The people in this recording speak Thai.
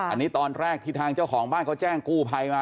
อันนี้ตอนแรกที่ทางเจ้าของบ้านเขาแจ้งกู้ภัยมา